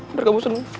udah kamu seneng